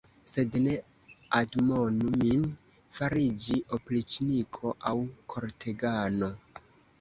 Sed ne admonu min fariĝi opriĉniko aŭ kortegano.